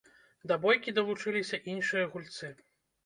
Да бойкі далучыліся іншыя гульцы.